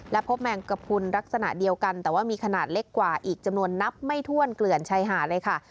และพบแมงกระพุนลักษณะเดียวกันแต่ว่ามีขนาดเล็กกว่าอีกจำนวนนับไม่ถ้วนเกลื่อนชายหาดเลยค่ะ